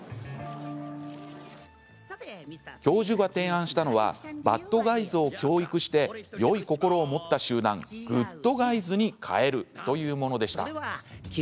教授が提案したのはバッドガイズを教育してよい心を持った集団グッドガイズに変えるというものでした。